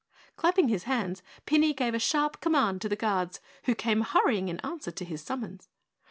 Clapping his hands, Pinny gave a sharp command to the guards, who came hurrying in answer to his summons.